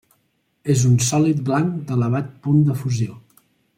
És un sòlid blanc d'elevat punt de fusió.